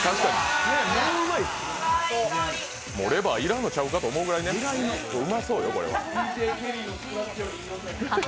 もうレバーいらんのちゃうのかと思うくらい、うまそうよ、これは。